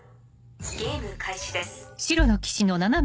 ゲーム開始です。